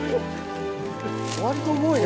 割と重いね